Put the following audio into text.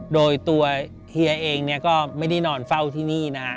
โดยตัวเฮียเองก็ไม่ได้นอนเฝ้าที่นี่